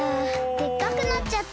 でっかくなっちゃった。